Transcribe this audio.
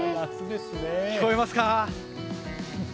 聞こえますか？